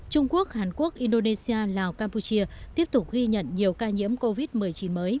trung quốc hàn quốc indonesia lào campuchia tiếp tục ghi nhận nhiều ca nhiễm covid một mươi chín mới